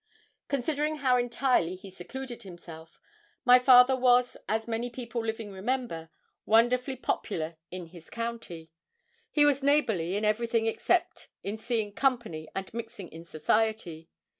Considering how entirely he secluded himself, my father was, as many people living remember, wonderfully popular in his county. He was neighbourly in everything except in seeing company and mixing in society.